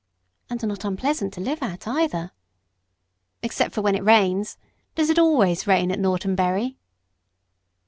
"And not unpleasant to live at, either." "Except when it rains. Does it always rain at Norton Bury?"